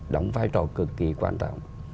đóng vai trò cực kỳ quan trọng